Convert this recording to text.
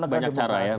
banyak cara ya